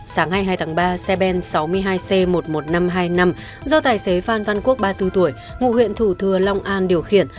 sáng ngày hai tháng ba xe ben sáu mươi hai c một mươi một nghìn năm trăm hai mươi năm do tài xế phan văn quốc ba mươi bốn tuổi ngụ huyện thủ thừa long an điều khiển